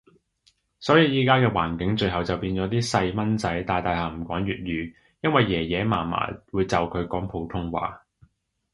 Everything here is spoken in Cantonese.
所以依家嘅環境，最後就變咗啲細蚊仔大大下唔講粵語，因為爺爺嫲嫲會就佢講普通話